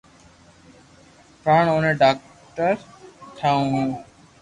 پڙآن اوني ڌاڪٽر ٺاوُِ ھون